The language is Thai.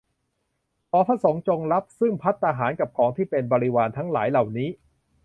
ขอพระสงฆ์จงรับ ซึ่งภัตตาหารกับของที่เป็นบริวารทั้งหลายเหล่านี้